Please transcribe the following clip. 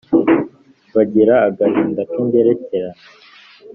bagira agahinda k’ingerekerane,